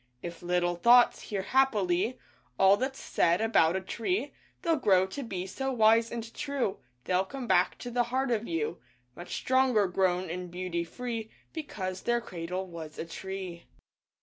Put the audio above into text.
If little thoughts hear happily All that's said about a tree, They'll grow to be so wise and true, They'll come back to the heart of you Much stronger, grown in beauty free, Because their cradle was a tree.